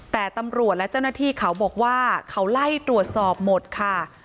แต่ตำรวจและเจ้าหน้าที่เขาบอกว่าเขาไล่ตรวจสอบหมดค่ะ